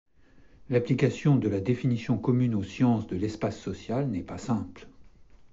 L'application de la définition commune aux sciences de l'espace social n'est pas simple.